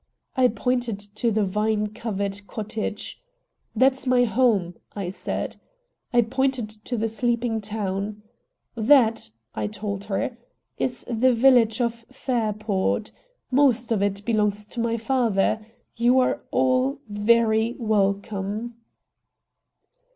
I pointed to the vine covered cottage. "That's my home," I said. I pointed to the sleeping town. "That," I told her, "is the village of Fairport. Most of it belongs to father. You are all very welcome."